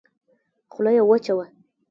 خوله يې وچه وه.